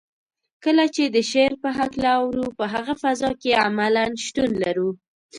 کله چې د شعر په هکله اورو په هغه فضا کې عملاً شتون لرو.